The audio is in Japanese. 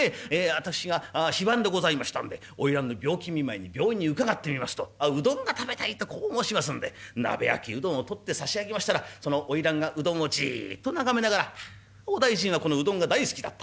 私が非番でございましたんで花魁の病気見舞いに病院に伺ってみますと『うどんが食べたい』とこう申しますんで鍋焼きうどんを取ってさしあげましたらその花魁がうどんをじっと眺めながら『お大尽はこのうどんが大好きだった。